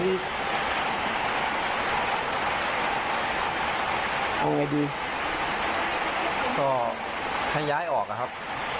เอาไงดีก็ให้ย้ายออกอะครับ